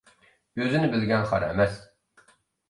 ئۆزىنى بىلگەن خار ئەمەس.